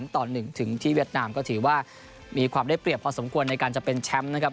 ต่อ๑ถึงที่เวียดนามก็ถือว่ามีความได้เปรียบพอสมควรในการจะเป็นแชมป์นะครับ